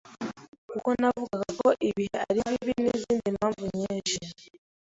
Kuko navugaga ko ibihe ari bibi, n’izindi mpamvu nyinshi,